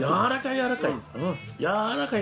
やわらかいやわらかい！